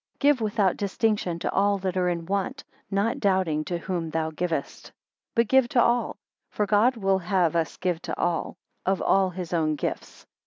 6 Give without distinction to all that are in want, not doubting to whom thou givest. 7 But give to all, for God will have us give to all, of all his own gifts.